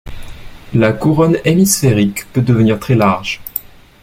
La couronne hémisphérique peut devenir très large.